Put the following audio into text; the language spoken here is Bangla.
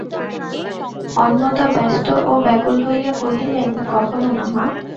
অন্নদা ব্যস্ত ও ব্যাকুল হইয়া কহিলেন, কখনো না মা।